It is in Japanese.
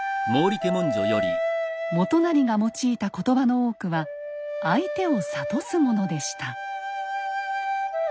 元就が用いた言葉の多くは相手を諭すものでした。